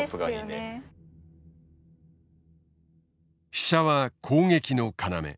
飛車は攻撃の要。